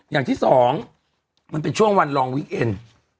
อย่างที่สองมันเป็นช่วงวันลองวิกเอ็น